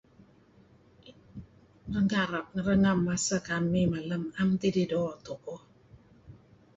[unintelligible] renga' kamih malem 'am tidih doo' tu'uh.